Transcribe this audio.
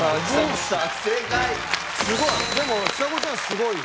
すごい！